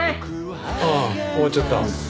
ああ終わっちゃった。